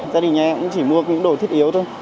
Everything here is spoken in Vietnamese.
gia đình nhà em cũng chỉ mua những đồ thiết yếu thôi